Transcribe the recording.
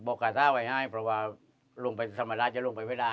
บ๊วยบ๊วยบ๊วยบ๊วยบ๊วยบ๊วยอเจมส์บวงบาทของพญานาคอย่างดีที่จะครองมณุราได้